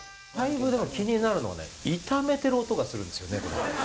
だいぶでも気になるのね炒めてる音がするんですよねこれ。